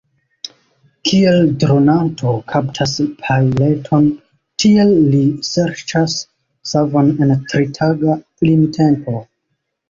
Kiel dronanto kaptas pajleton, tiel li serĉas savon en tritaga limtempo.